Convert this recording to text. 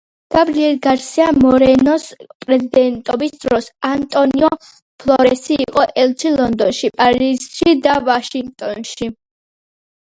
გაბრიელ გარსია მორენოს პრეზიდენტობის დროს, ანტონიო ფლორესი იყო ელჩი ლონდონში, პარიზში და ვაშინგტონში.